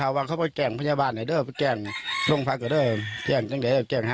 แล้วแกก็บาดเบียนแหลมและภายจัง